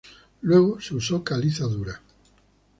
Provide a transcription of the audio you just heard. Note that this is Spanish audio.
Luego se usó caliza dura.